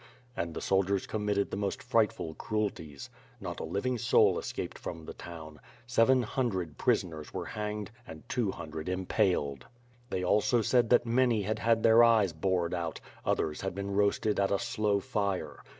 And the soldiers committed the most frightful cruelties. Not a living soul escaped from the town. Seven hundred prisoners were hanged and two hundred impaled. WITH FIRE AND SWORD. 323 They said also that many had had their eyes bored out; others had been roasted at a slow fire.